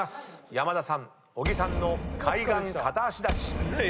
山田さん小木さんの開眼片足立ち。